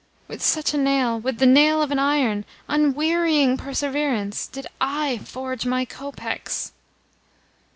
With such a nail with the nail of an iron, unwearying perseverance did I forge my kopecks."